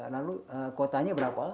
lalu kotanya berapa